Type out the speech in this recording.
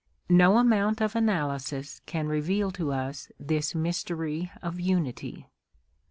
No amount of analysis can reveal to us this mystery of unity.